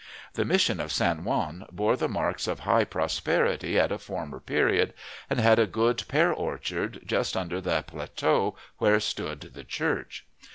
The Mission of San Juan bore the marks of high prosperity at a former period, and had a good pear orchard just under the plateau where stood the church.